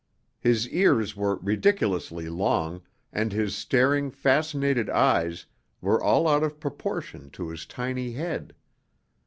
His ears were ridiculously long and his staring, fascinated eyes were all out of proportion to his tiny head.